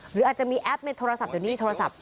หรืออาจจะมีแอปใบโทรศัพท์อยู่นี่โทรศัพท์